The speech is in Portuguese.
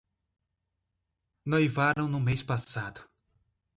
Noivaram no mês passado